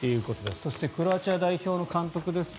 そしてクロアチア代表の監督ですが